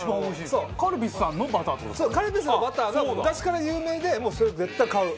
そうカルピスのバターが昔から有名でもうそれは絶対買う。